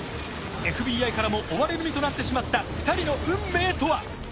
ＦＢＩからも追われる身となってしまった２人の運命とは！？